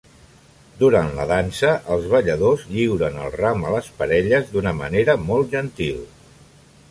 Durant la dansa, els balladors lliuren el ram a les parelles d'una manera molt gentil.